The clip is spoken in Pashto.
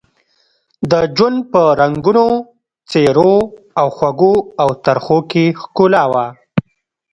د ژوند په رنګونو، څېرو او خوږو او ترخو کې ښکلا وه.